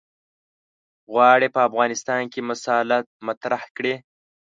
غواړي په افغانستان کې مسأله مطرح کړي.